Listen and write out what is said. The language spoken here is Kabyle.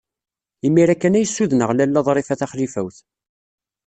Imir-a kan ay ssudneɣ Lalla Ḍrifa Taxlifawt.